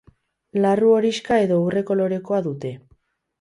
Larru horixka edo urre kolorekoa dute.